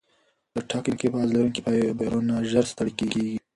چټک انقباض لرونکي فایبرونه ژر ستړې کېږي.